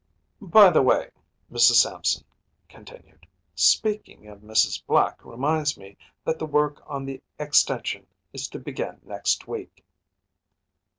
“By the way,‚ÄĚ Mrs. Sampson continued, “speaking of Mrs. Black reminds me that the work on the extension is to begin next week.